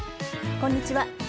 こんにちは。